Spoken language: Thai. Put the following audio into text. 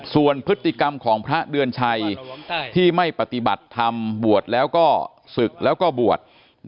ส่วนพฤติกรรมของพระเดือนชัยที่ไม่ปฏิบัติธรรมบวชแล้วก็ศึกแล้วก็บวช